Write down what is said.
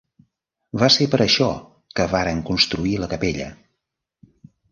Va ser per això que varen construir la capella.